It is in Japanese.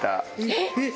えっ？